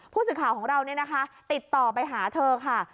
ผู้สื่อข่าวของเราเนี่ยนะคะติดต่อไปหาเธอค่ะ